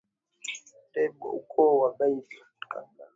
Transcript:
Déby ni wa ukoo wa Bidyat wa kabila la Zaghawa